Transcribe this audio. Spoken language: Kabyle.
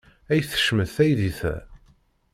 Ay tecmet teydit-a!